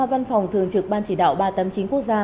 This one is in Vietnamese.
văn phòng thường trực ban chỉ đạo ba trăm tám mươi chín quốc gia